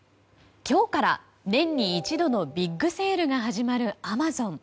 今日から年に一度のビッグセールが始まるアマゾン。